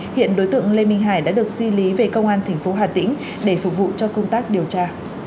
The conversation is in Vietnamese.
hiện đối tượng lê minh hải đã được di lý về công an tp hà tĩnh để phục vụ cho công tác điều tra